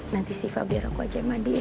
nanti siva biar aku aja mandiin ya